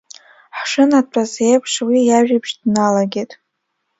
Ҳшынатәаз еиԥш, уи иажәабжь дналагеит.